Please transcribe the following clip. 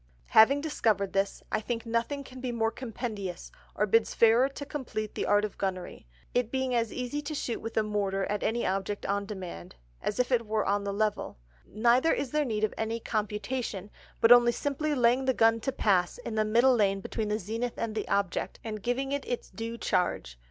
Having discovered this, I think nothing can be more compendious, or bids fairer to compleat the Art of Gunnery, it being as easie to shoot with a Mortar at any Object on demand, as if it were on the Level; neither is there need of any Computation, but only simply laying the Gun to pass, in the middle Line between the Zenith and the Object, and giving it its due Charge.